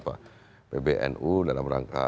pbnu dalam rangka